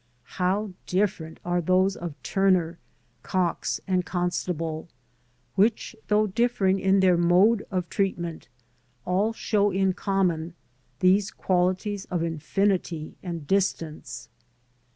How different are those of Turner, Cox, and Constable, which, though differing in their mode of treatment, all show in common, these qualities of infinity and distance.